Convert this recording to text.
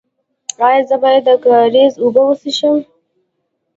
ایا زه باید د کاریز اوبه وڅښم؟